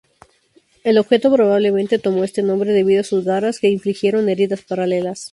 El objeto probablemente tomó este nombre debido a sus "garras", que infligieron heridas paralelas.